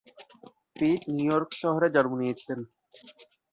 পিট New York শহরে জন্ম নিয়েছিলেন।